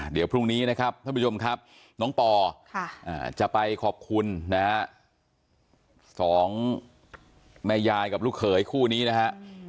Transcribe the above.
เดี๋ยวพรุ่งนี้นะครับท่านผู้ชมครับน้องปอจะไปขอบคุณนะฮะสองแม่ยายกับลูกเขยคู่นี้นะฮะ